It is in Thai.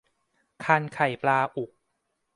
ครรภ์ไข่ปลาอุก